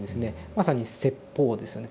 まさに説法ですよね。